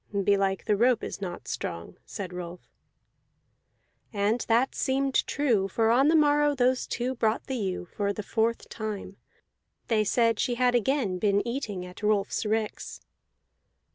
"Belike the rope is not strong," said Rolf. And that seemed true; for on the morrow those two brought the ewe for the fourth time; they said she had again been eating at Rolfs ricks.